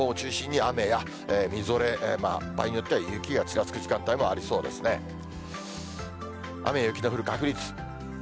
雨や雪の降る確率。